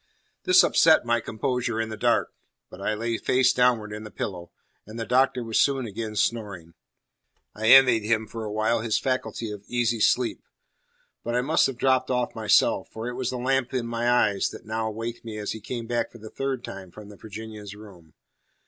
This upset my composure in the dark; but I lay face downward in the pillow, and the Doctor was soon again snoring. I envied him for a while his faculty of easy sleep. But I must have dropped off myself; for it was the lamp in my eyes that now waked me as he came back for the third time from the Virginian's room.